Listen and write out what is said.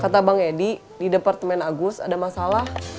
kata bang edi di departemen agus ada masalah